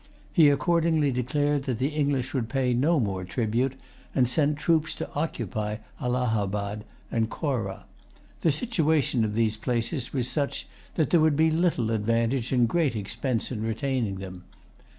He accordingly declared that the English would pay no more tribute, and sent troops to occupy Allahabad and Corah. The situation of these places was such that there would be little advantage and great expense in retaining them.